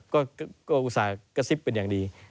ก็อุตส่าห์กระซิบเป็นอย่างดี